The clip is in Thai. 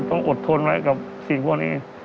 ต้องอดทนไว้กับสิ่งพวกนี้